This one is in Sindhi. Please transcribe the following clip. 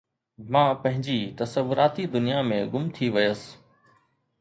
مان پنهنجي تصوراتي دنيا ۾ گم ٿي ويس